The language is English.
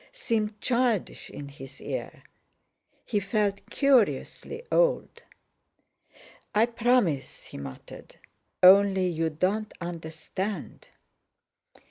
seemed childish in his ear. He felt curiously old. "I promise!" he muttered. "Only, you don't understand."